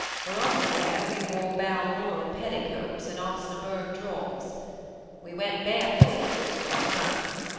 For underwear, we wore balmoral petticoats and osnaburg drawers. We went barefooted most of the time.